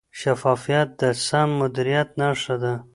شفافیت د سم مدیریت نښه ده.